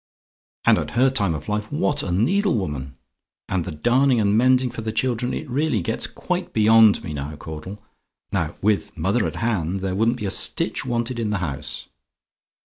"And at her time of life, what a needle woman! And the darning and mending for the children, it really gets quite beyond me now, Caudle. Now with mother at my hand, there wouldn't be a stitch wanted in the house.